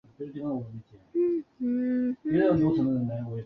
他现在效力于塞尔维亚足球超级联赛球队库卡瑞奇足球俱乐部。